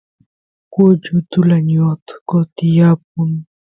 kuchi utula ñotqo tiyapun